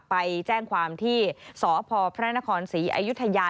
ไปแจ้งความที่สพพระนครศรีอยุธยา